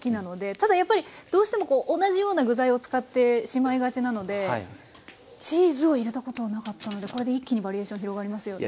ただやっぱりどうしても同じような具材を使ってしまいがちなのでチーズを入れたことはなかったのでこれで一気にバリエーション広がりますよね。